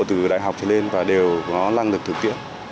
từ đại học trở lên và đều có năng lực thực tiễn